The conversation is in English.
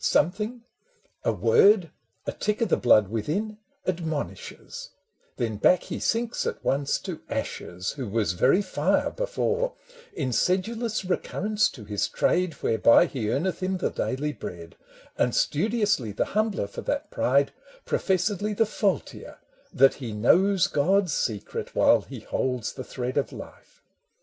Something, a word, a tick o' the blood within Admonishes : then back he sinks at once iv. o 194 MEN AND WOMEN To ashes, who was very fire before, In sedulous recurrence to his trade Whereby he earneth him the daily bread ; And studiously the humbler for that pride, Professedly the faultier that he knows God's secret, while he holds the thread of life.